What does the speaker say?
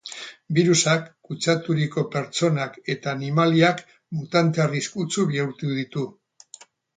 Birusak kutsaturiko pertsonak eta animaliak mutante arriskutsu bihurtu ditu.